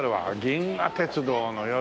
「銀河鉄道の夜」